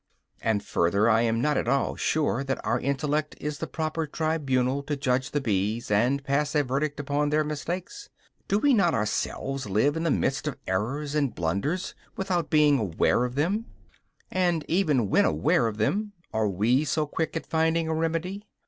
And, further, I am not at all sure that our own intellect is the proper tribunal to judge the bees and pass a verdict upon their mistakes. Do we not ourselves live in the midst of errors and blunders without being aware of them; and even when aware of them, are we so quick at finding a remedy?